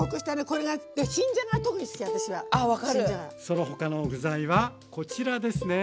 その他の具材はこちらですね。